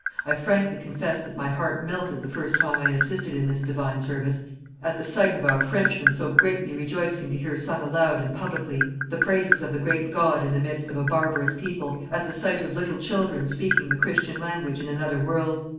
I frankly confess that my heart melted the first time I assisted in this divine service, at the sight of our Frenchmen so greatly rejoicing to hear sung aloud and publicly the praises of the great God in the midst of a barbarous people, at the sight of little children speaking the Christian language in another world....